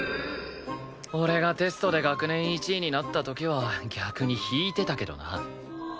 俺がテストで学年１位になった時は逆に引いてたけどな。